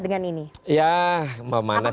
dengan ini ya memanas